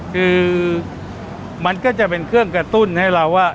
คือมันก็จะเป็นเครื่องกระตุ้นให้เราว่า